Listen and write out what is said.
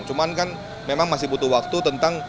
cuman kan memang masih butuh waktu tentang